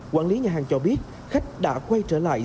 quản lý nhà hàng cho biết khách đã quay trở lại